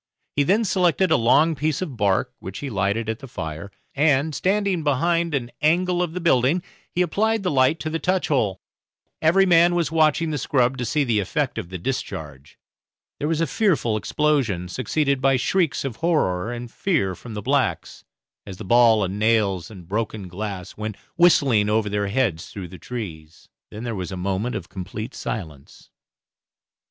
He then selected a long piece of bark, which he lighted at the fire, and, standing behind an angle of the building, he applied the light to the touch hole. Every man was watching the scrub to see the effect of the discharge. There was a fearful explosion, succeeded by shrieks of horror and fear from the blacks, as the ball and nails and broken glass went whistling over their heads through the trees. Then there was a moment of complete silence.